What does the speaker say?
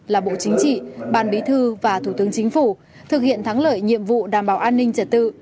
là bộ chính trị ban bí thư và thủ tướng chính phủ thực hiện thắng lợi nhiệm vụ đảm bảo an ninh trật tự